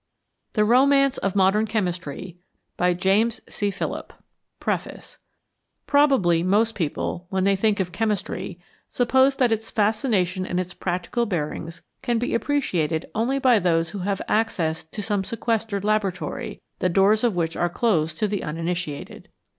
THE ROMANCE OF MODERN CHEMISTRY SEELEY <V CO., LIMITED PREFACE PROBABLY most people, when they think of Chemistry, suppose that its fascination and its practical bearings can be appreciated only by those who have access to some sequestered laboratory, the doors of which are closed to the uninitiated.